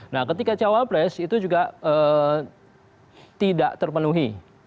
nah ketika cawa press itu juga tidak terpenuhi